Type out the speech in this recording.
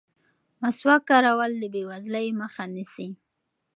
مسواک کارول د بې وزلۍ مخه نیسي.